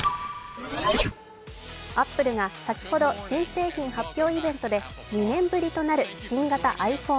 アップルが先ほど新製品発表イベントで２年ぶりとなる新型